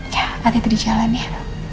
ya nanti di jalan ya